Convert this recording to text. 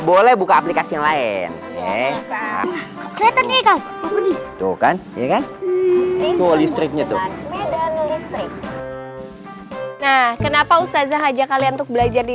boleh buka aplikasi lain ya kan itu listriknya tuh nah kenapa ustazah ajak kalian untuk belajar di